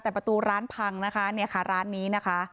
แต่ประตูร้านพังนะคะเนี่ยค่ะร้านนี้นะคะ